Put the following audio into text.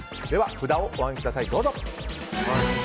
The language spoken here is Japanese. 札をお上げください。